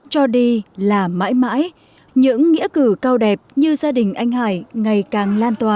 cho đi là mãi mãi những nghĩa cử cao đẹp như gia đình anh hải ngày càng lan tỏa